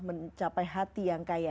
mencapai hati yang kaya